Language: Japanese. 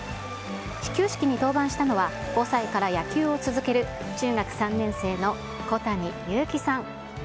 始球式に登板したのは、５歳から野球を続ける中学３年生の小谷侑生さん。